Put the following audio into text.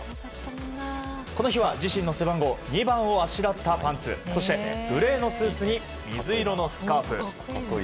この日は自身の背番号２番をあしらったパンツそして、グレーのスーツに水色のスカーフ。